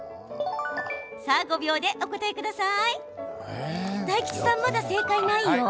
５秒でお答えください。